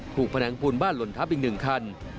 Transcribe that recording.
ถูกพนังปูนบ้านหล่นทัพอีกหนึ่งคัน